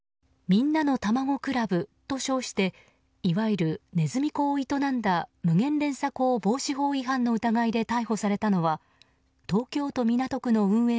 みんなのたまご倶楽部と称していわゆるねずみ講を営んだ無限連鎖講防止法違反の疑いで逮捕されたのは東京都港区の運営